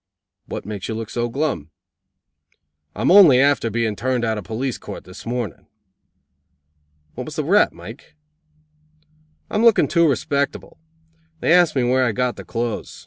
"What makes you look so glum?" "I'm only after being turned out of police court this morning." "What was the rap, Mike?" "I'm looking too respectable. They asked me where I got the clothes.